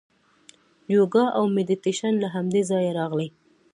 یوګا او میډیټیشن له همدې ځایه راغلي.